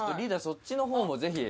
そっちの方もぜひ」